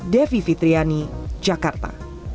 devi fitriani jakarta